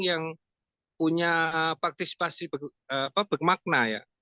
yang punya partisipasi bermakna ya